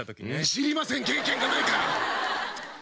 知りません経験がないから！